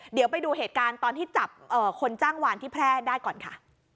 เดี๋ยวไปดูเหตุการณ์ตอนที่จับคนจ้างวานที่แพร่ได้ก่อนค่ะ